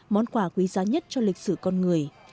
món quà quý giá nhất cho lịch sử con người